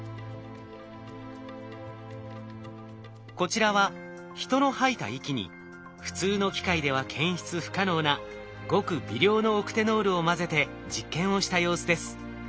こちらは人の吐いた息に普通の機械では検出不可能なごく微量のオクテノールを混ぜて実験をした様子です。